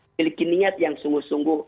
memiliki niat yang sungguh sungguh